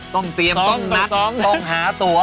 ต้องเตรียมต้องนัดต้องหาตัว